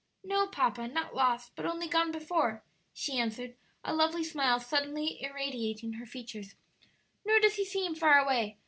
"No, papa, not lost, but only gone before," she answered, a lovely smile suddenly irradiating her features; "nor does he seem far away.